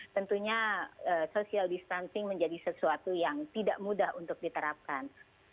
tentunya social distancing menjadi sesuatu yang tidak mudah untuk diterapkan